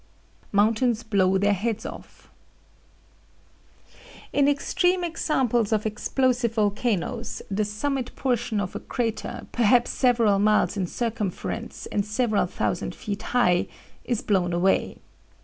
MOUNTAINS BLOW THEIR HEADS OFF "In extreme examples of explosive volcanoes, the summit portion of a crater, perhaps several miles in circumference and several thousand feet high, is blown away.